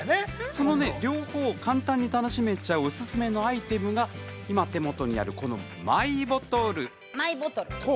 その両方を簡単に楽しめちゃうおすすめのアイテムが今、手元にあるマイボトル。